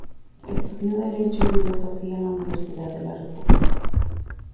Estudió Derecho y Filosofía en la Universidad de la República.